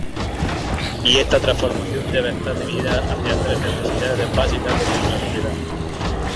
Y está transformación debe estar dirigida hacia tres necesidades básicas de nuestra sociedad.